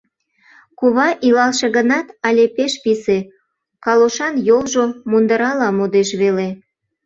Кува илалше гынат, але пеш писе, калошан йолжо мундырала модеш веле.